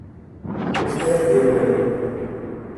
Son siège est Wayne.